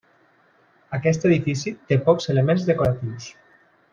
Aquest edifici té pocs elements decoratius.